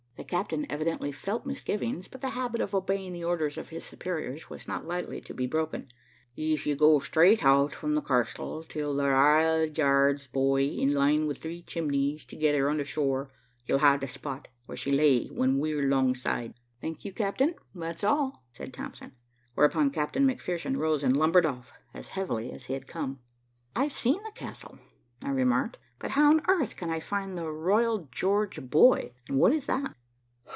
The Captain evidently felt misgivings, but the habit of obeying the orders of his superiors was not lightly to be broken. "If ye go straight out from the carstle till the Ry'al Jarge buoy's in line with three chimneys t'gether on the shore, ye'll have the spot where she lay when we were 'longside." "Thank you, Cap'n, that's all," said Thompson. Whereupon Captain McPherson rose and lumbered off as heavily as he had come. "I've seen the castle," I remarked, "but how on earth can I find the Royal George buoy, and what is it?"